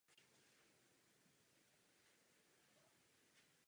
V jižní části parku je menší sad.